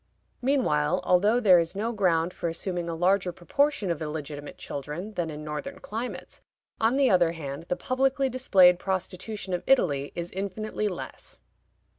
Meanwhile, although there is no ground for assuming a larger proportion of illegitimate children than in northern climates, on the other hand, the publicly displayed prostitution of Italy is infinitely less.